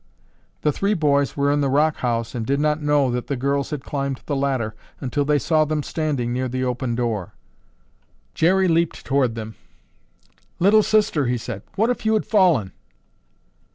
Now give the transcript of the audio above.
The three boys were in the rock house and did not know that the girls had climbed the ladder until they saw them standing near the open door. Jerry leaped toward them. "Little Sister," he said, "what if you had fallen?"